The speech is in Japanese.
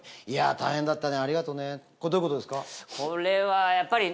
「大変だったね」